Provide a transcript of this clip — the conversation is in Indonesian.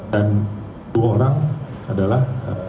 dan dua orang adalah